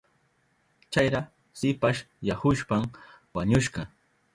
Chayra shipasyahushpan wañushka.